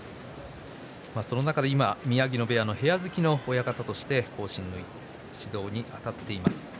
宮城野部屋の部屋付きの親方として後進の指導にあたっています。